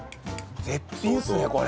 絶品ですねこれ。